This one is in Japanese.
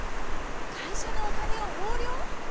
会社のお金を横領⁉